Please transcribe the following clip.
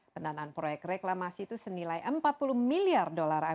pendanaan proyek reklamasi itu senilai empat puluh miliar dolar